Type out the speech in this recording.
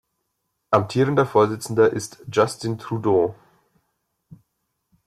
Amtierender Vorsitzender ist Justin Trudeau.